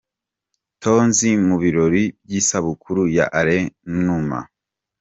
Tonzi mu birori by'isabukuru ya Alain Numa.